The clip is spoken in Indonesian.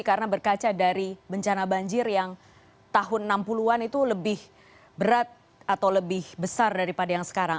karena berkaca dari bencana banjir yang tahun enam puluh an itu lebih berat atau lebih besar daripada yang sekarang